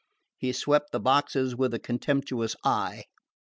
He swept the boxes with a contemptuous eye.